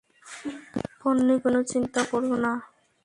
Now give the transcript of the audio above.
পোন্নি, কোনো চিন্তা কোরো না।